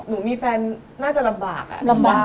หนูมีแฟนน่าจะลำบากอะ